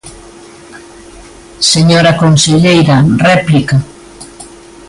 Señora conselleira, réplica.